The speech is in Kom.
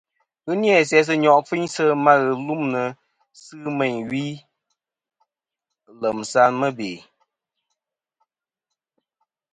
Ghɨ ni-a sɨ nyo' kfiynsɨ ma ghɨlûmnɨ sɨ meyn ɨ wi lèm sɨ mɨbè.